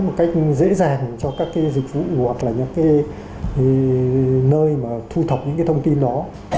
một cách dễ dàng cho các dịch vụ hoặc là những nơi mà thu thọc những thông tin đó